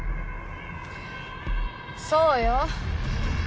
そうよ。